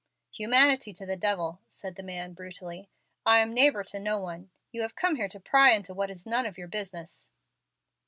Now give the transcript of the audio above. "Humanity to the devil!" said the man, brutally, "I am neighbor to no one. You have come here to pry into what is none of your business."